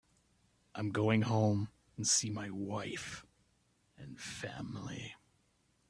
I'm going home and see my wife and family.